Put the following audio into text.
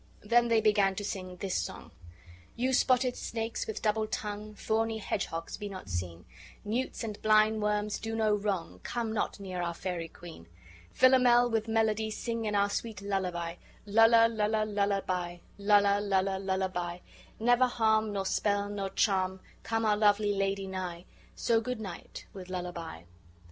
Then they began to sing this song: "You spotted snakes, with double tongue, Thorny hedgehogs, be not seen; Newts and blind worms do no wrong; Come not near our fairy queen: "Philomel, with melody, Sing in our sweet lullaby; Lulla, lulla, lullaby; lulla, lulla, lullaby; Never harm, nor spell, nor charm, Come our lovely lady nigh; So, good night, with lullaby."